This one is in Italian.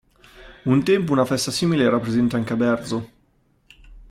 Un tempo una festa simile era presente anche a Berzo.